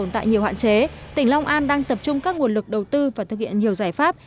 tại nhiều hạn chế tỉnh long an đang tập trung các nguồn lực đầu tư và thực hiện nhiều giải pháp